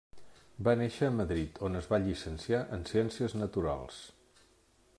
Va néixer a Madrid, on es va llicenciar en Ciències Naturals.